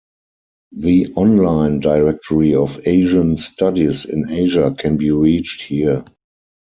The online Directory of Asian Studies in Asia can be reached here.